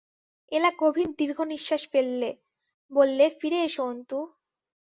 এলা গভীর দীর্ঘনিশ্বাস ফেললে, বললে, ফিরে এস অন্তু।